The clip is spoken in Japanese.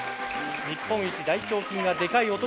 日本一大胸筋がでかい男